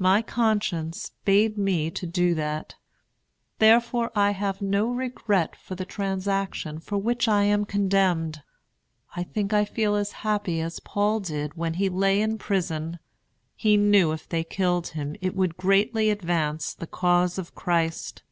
My conscience bade me to do that. Therefore I have no regret for the transaction for which I am condemned. I think I feel as happy as Paul did when he lay in prison. He knew if they killed him it would greatly advance the cause of Christ.